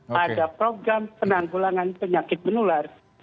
pada program penanggulangan penyakit menular